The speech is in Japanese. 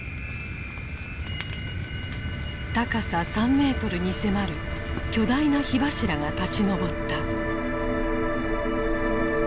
高さ３ｍに迫る巨大な火柱が立ち上った。